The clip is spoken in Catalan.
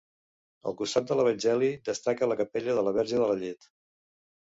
Al costat de l'Evangeli destaca la capella de la Verge de la Llet.